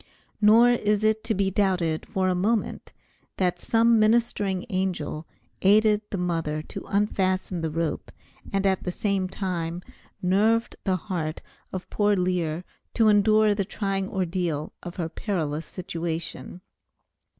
Nor is it to be doubted for a moment but that some ministering angel aided the mother to unfasten the rope, and at the same time nerved the heart of poor Lear to endure the trying ordeal of her perilous situation.